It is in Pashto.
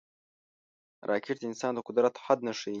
راکټ د انسان د قدرت حد نه ښيي